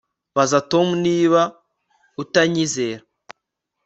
Baza Tom niba utanyizera